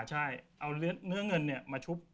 ใช่เอาเนื้อเงินมาชุบ